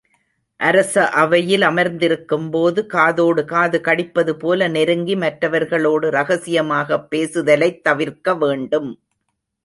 அரச அவையில் அமர்ந்திருக்கும்போது காதோடு காது கடிப்பது போல நெருங்கி மற்றவர்களோடு ரகசியமாகப் பேசுதலைத் தவிர்க்க வேண்டும்.